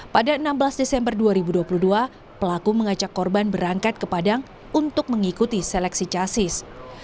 pada enam belas desember dua ribu dua puluh dua pelaku mengajak korban berangkat ke padang untuk mengikuti seleksi casis